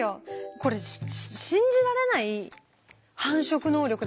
これ信じられない繁殖能力ですよね？